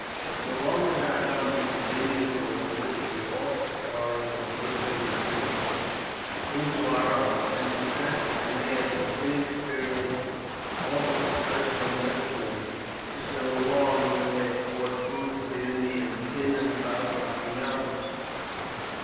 But so long as our government continues to enlist the offscouring of European cities into our army, and entrusts the command to inexperienced officers fresh from West Point, just so long will they afford food for the Indians in and about the Rocky Mountains.